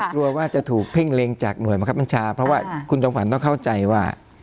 กลัวว่าจะถูกเพ่งเล็งจากหน่วยบังคับบัญชาเพราะว่าคุณจอมขวัญต้องเข้าใจว่า